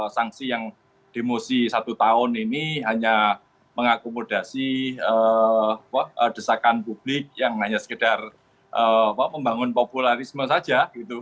sanksi yang demosi satu tahun ini hanya mengakomodasi desakan publik yang hanya sekedar membangun popularisme saja